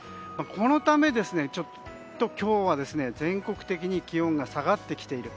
このため、ちょっと今日は全国的に気温が下がってきている。